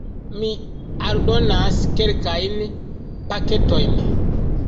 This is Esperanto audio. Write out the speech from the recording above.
Mi aldonas kelkajn paketojn: